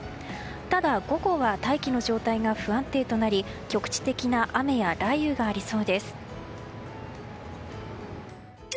ただ、午後は大気の状態が不安定となり局地的な雨や雷雨がありそうです。